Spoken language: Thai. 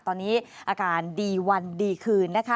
ตอนนี้อาการดีวันดีคืนนะคะ